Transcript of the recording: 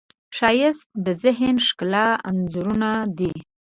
ښایست د ذهن ښکلي انځورونه دي